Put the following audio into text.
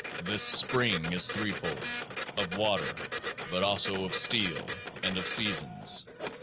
This SPRING is threefold ; of water, but also of steel, and of the seasons.